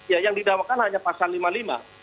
ya yang didakwakan hanya pasal lima puluh lima